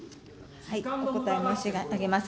お答え申し上げます。